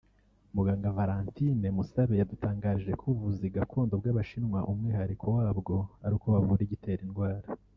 Muganga Valentine Musabe yadutangarije ko ubuvuzi Gakondo bw’Abashinwa umwihariko wabwo ari uko bavura igitera indwara